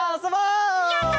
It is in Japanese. やった！